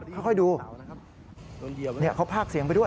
ช่วยละ